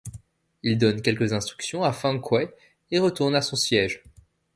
Il donne quelques instructions à Fan Kuai et retourne à son siège.